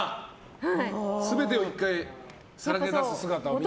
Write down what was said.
全てを１回さらけ出す姿を見たいと。